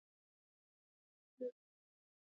اسلام اعلیکم ورحمت الله وبرکاته